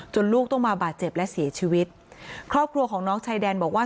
ลูกต้องมาบาดเจ็บและเสียชีวิตครอบครัวของน้องชายแดนบอกว่า